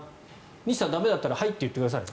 西さん、駄目だったらはいって言ってくださいね。